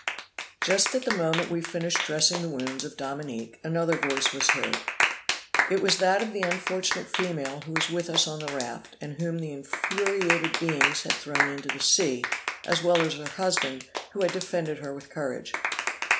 Just at the moment we finished dressing the wounds of Dominique, another voice was heard. It was that of the unfortunate female who was with us on the raft, and whom the infuriated beings had thrown into the sea, as well as her husband, who had defended her with courage.